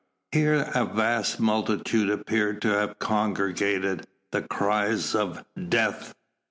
Here a vast multitude appeared to have congregated. The cries of "Death!"